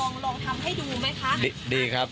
ลองทำให้ดูไหมคะ